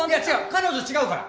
彼女は違うから。